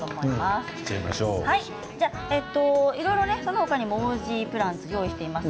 いろいろその他にもオージープランツを用意しています。